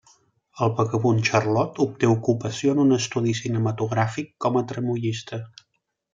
El vagabund Charlot obté ocupació en un estudi cinematogràfic com a tramoista.